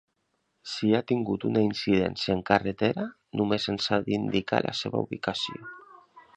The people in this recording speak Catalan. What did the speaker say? Si ha tingut una incidència en carretera, només ens ha d'indicar la seva ubicació.